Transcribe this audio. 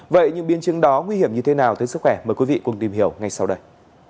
vậy những biến chứng đó nguy hiểm như thế nào tới sức khỏe mời quý vị cùng tìm hiểu ngay sau đây